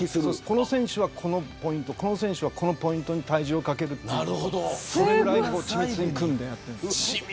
この選手はこのポイントこの選手はこのポイントに体重をかけるというぐらい緻密にやっている。